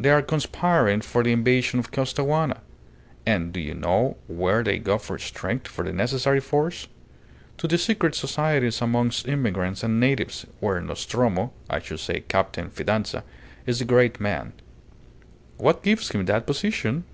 They are conspiring for the invasion of Costaguana. And do you know where they go for strength, for the necessary force? To the secret societies amongst immigrants and natives, where Nostromo I should say Captain Fidanza is the great man. What gives him that position?